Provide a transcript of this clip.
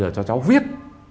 cho cháu viết